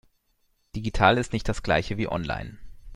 Digital ist nicht das Gleiche wie online.